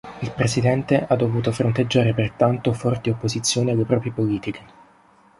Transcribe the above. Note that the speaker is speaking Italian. Il presidente ha dovuto fronteggiare pertanto forti opposizioni alle proprie politiche.